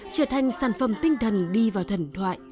trở thành sản phẩm tinh thần đi vào thần thoại